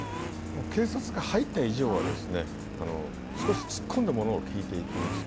警察が入った以上は、少し突っ込んだものを聞いていきます。